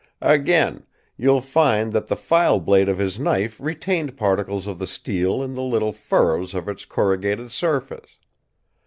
"Again: you'll find that the file blade of his knife retained particles of the steel in the little furrows of its corrugated surface.